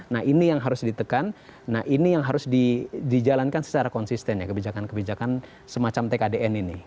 nah ini yang harus ditekan nah ini yang harus dijalankan secara konsisten ya kebijakan kebijakan semacam tkdn ini